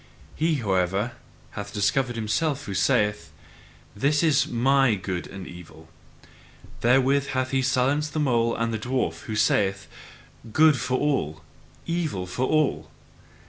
He, however, hath discovered himself who saith: This is MY good and evil: therewith hath he silenced the mole and the dwarf, who say: "Good for all, evil for all."